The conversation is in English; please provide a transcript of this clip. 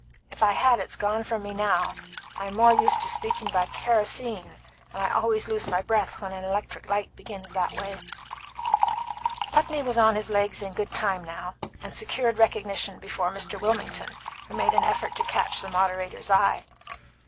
If I had it's gone from me now. I'm more used to speaking by kerosene, and I always lose my breath when an electric light begins that way." Putney was on his legs in good time now, and secured recognition before Mr. Wilmington, who made an effort to catch the moderator's eye.